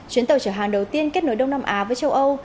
chuyến tàu chở hàng đầu tiên kết nối đông nam á với châu âu